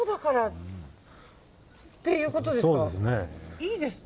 いいですね。